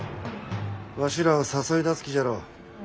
わしらを誘い出す気じゃろう。